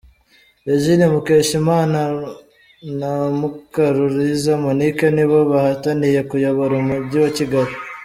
Regine Mukeshimana na Mukaruliza Monique ni bo bahataniye kuyobora Umujyi wa Kigali.